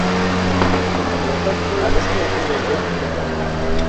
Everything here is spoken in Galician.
Polo tanto, vostede mesma verá.